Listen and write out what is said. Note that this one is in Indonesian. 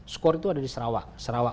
skor itu ada di sarawak sarawak